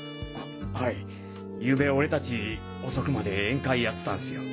ははいゆうべ俺達遅くまで宴会やってたんスよ。